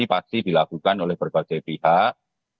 pasti dilakukan oleh berbagai pihak